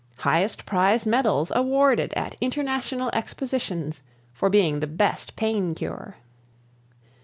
Highest Prize Medals Awarded at International Expositions for being the best pain cure.